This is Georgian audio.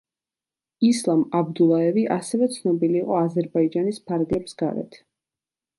ისლამ აბდულაევი ასევე ცნობილი იყო აზერბაიჯანის ფარგლებს გარეთ.